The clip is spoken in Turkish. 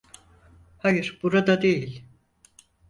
Hayır, burada değil.